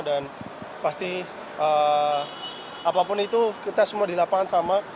dan pasti apapun itu kita semua di lapangan sama